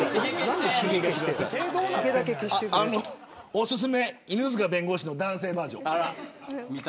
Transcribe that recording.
おすすめ犬塚弁護士の男性バージョン。